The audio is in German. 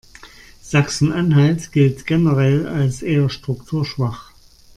Sachsen-Anhalt gilt generell als eher strukturschwach.